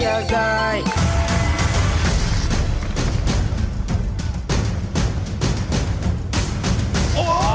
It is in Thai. กำลังไปเลย๓๐๐๐บาท